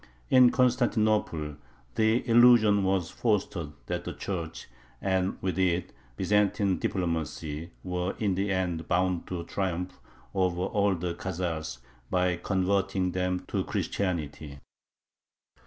In Constantinople the illusion was fostered that the Church, and with it Byzantine diplomacy, were in the end bound to triumph over all the Khazars by converting them to Christianity.